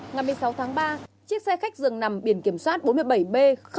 ngày một mươi sáu tháng ba chiếc xe khách dường nằm biển kiểm soát bốn mươi bảy b bốn trăm sáu mươi bảy